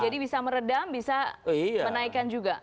jadi bisa meredam bisa menaikan juga